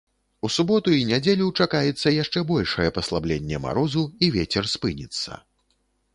У суботу і нядзелю чакаецца яшчэ большае паслабленне марозу і вецер спыніцца.